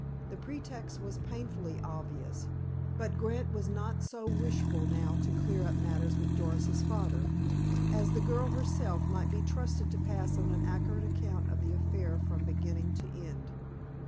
The pretext was painfully obvious, but Grant was not so wishful now to clear up matters with Doris's father, as the girl herself might be trusted to pass on an accurate account of the affair from beginning to end.